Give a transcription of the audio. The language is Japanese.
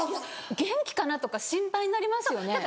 元気かなとか心配になりますよね